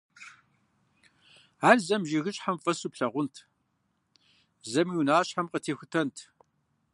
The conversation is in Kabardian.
Ар зэм жыгыщхьэм фӀэсу плъагъунт, зэми унащхьэм къытехутэнт.